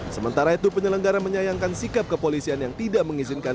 sementara itu penyelenggara menyayangkan sikap kepolisian yang tidak mengizinkan